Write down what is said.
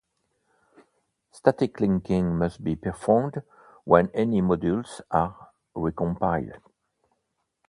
Static linking must be performed when any modules are recompiled.